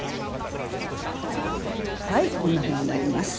こんなふうになります。